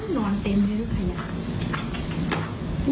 นอนเต็มด้วยด้วยสย่า